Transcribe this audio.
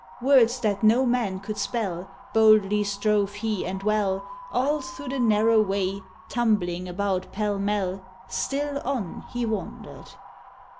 Words that no man could spell. Boldly strove he and well. All through the narrow way, Tumbling about pell mell. Still on he wander'd.